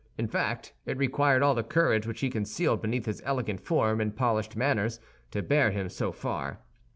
In fact, it required all the courage which he concealed beneath his elegant form and polished manners to bear him so far.